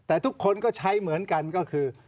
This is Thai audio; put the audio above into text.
แต่ทุกคนก็ใช้เหมือนกันก็คือ